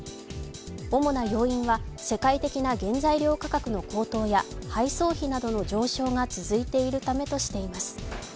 主な要因は世界的な原材料価格の高騰や配送費などの上昇が続いているためとしています。